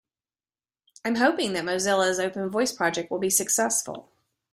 I'm hoping that Mozilla's Open Voice project will be successful.